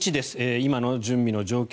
今の準備の状況。